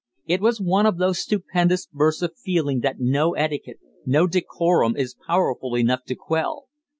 It was one of those stupendous bursts of feeling that no etiquette, no decorum is powerful enough to quell.